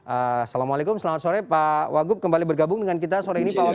assalamualaikum selamat sore pak wagub kembali bergabung dengan kita sore ini pak wagub